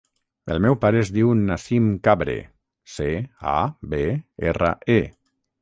El meu pare es diu Nassim Cabre: ce, a, be, erra, e.